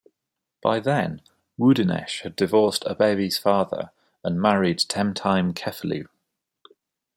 By then, Wudinesh had divorced Abebe's father and married Temtime Kefelew.